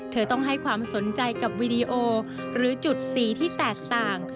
เธอต้องให้ความสนใจกับวีดีโอหรือจุดสีที่แตกต่าง